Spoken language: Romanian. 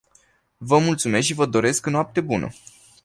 Vă mulțumesc și vă doresc noapte bună.